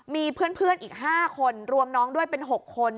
มีเพื่อนอีก๕คนรวมน้องด้วยเป็น๖คน